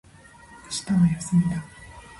明日は休みだ。